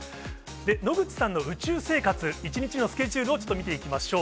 野口さんの宇宙生活、１日のスケジュールをちょっと見ていきましょう。